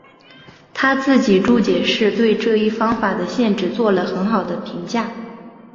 他自己注解是对这一方法的限制做了很好的评价。